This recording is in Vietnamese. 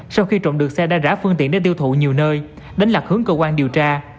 sau khi trộn được xe đa rã phương tiện để tiêu thụ nhiều nơi đánh lạc hướng cơ quan điều tra